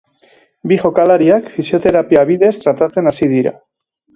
Bi jokalariak fisioterapia bidez tratatzen hasi dira.